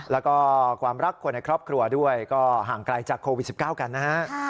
แล้วก็ความรักคนในครอบครัวด้วยก็ห่างไกลจากโควิด๑๙กันนะฮะ